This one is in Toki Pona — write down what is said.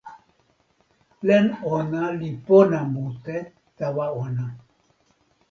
len ona li pona mute tawa ona.